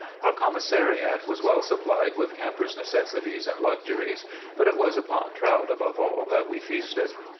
Our commissariat was well supplied with campers' necessities and luxuries, but it was upon trout above all that we feasted.